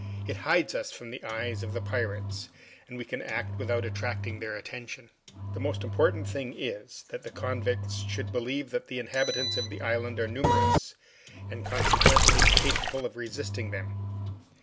It hides us from the eyes of the pirates, and we can act without attracting their attention. The most important thing is, that the convicts should believe that the inhabitants of the island are numerous, and consequently capable of resisting them.